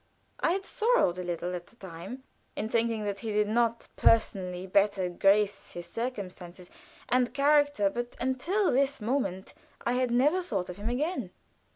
I had sorrowed a little at the time in thinking that he did not personally better grace his circumstances and character, but until this moment I had never thought of him again.